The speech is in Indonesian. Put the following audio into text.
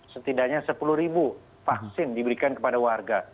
setidaknya sepuluh ribu vaksin diberikan kepada warga